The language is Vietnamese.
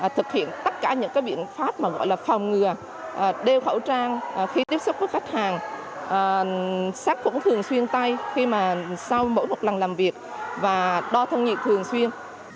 thực hiện tất cả những biện pháp mà gọi là phòng ngừa đeo khẩu trang khi tiếp xúc với khách hàng sát khuẩn thường xuyên tay khi mà sau mỗi một lần làm việc và đo thân nhiệt thường xuyên